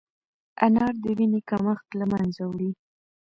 انار د وینې کمښت له منځه وړي.